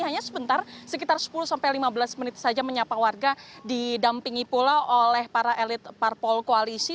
hanya sebentar sekitar sepuluh sampai lima belas menit saja menyapa warga didampingi pula oleh para elit parpol koalisi